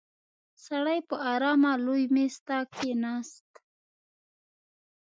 سړی په آرامه لوی مېز ته کېناست.